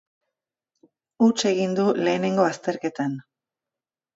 Huts egin du lehenengo azterketan.